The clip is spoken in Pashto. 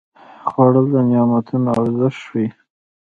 خوړل د نعمتونو ارزښت ښيي